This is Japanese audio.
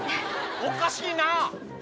「おかしいな」